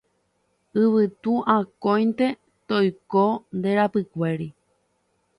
Yvytu akóinte toiko nde rapykuéri